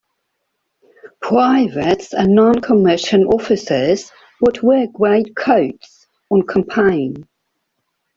Privates and non-commission officers would wear greatcoats on campaign.